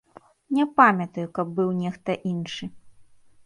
Не памятаю, каб быў нехта іншы.